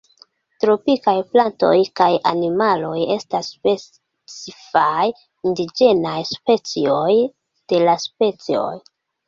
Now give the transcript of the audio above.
Tropikaj plantoj kaj animaloj estas specifaj indiĝenaj specioj de la specioj.